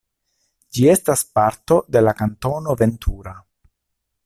Ĝi estas parto de la Kantono Ventura.